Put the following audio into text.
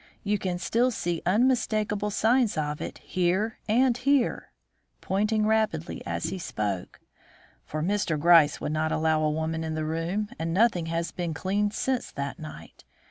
You can still see unmistakable signs of it here and here" (pointing rapidly as he spoke), "for Mr. Gryce would not allow a woman in the room, and nothing has been cleaned since that night.